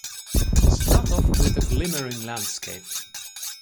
Start off with the glimmering landscape.